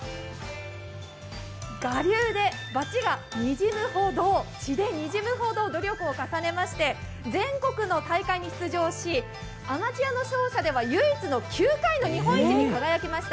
我流でばちが血でにじむほど努力を重ねまして全国の大会に出場しアマチュアの奏者では唯一の９回の日本一に輝きました。